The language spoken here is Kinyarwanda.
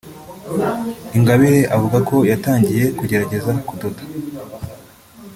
Ingabire avuga ko yatangiye kugerageza kudoda